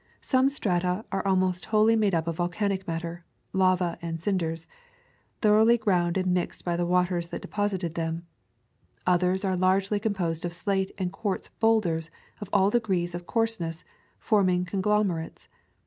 Some strata are almost wholly made up of volcanic matter — lava and cinders — thoroughly ground and mixed by the waters that deposited them; others are largely com posed of slate and quartz boulders of all de grees of coarseness, forming conglomerates.